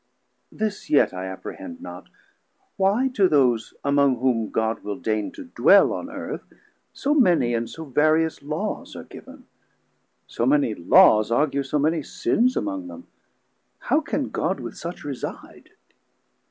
This yet I apprehend not, why to those Among whom God will deigne to dwell on Earth 280 So many and so various Laws are giv'n; So many Laws argue so many sins Among them; how can God with such reside?